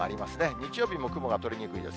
日曜日も雲が取れにくいです。